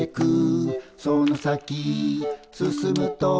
「その先進むと」